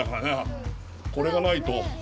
これがないと。